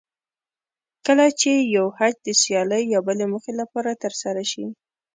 کله چې یو حج د سیالۍ یا بلې موخې لپاره ترسره شي.